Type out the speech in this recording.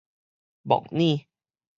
莫耳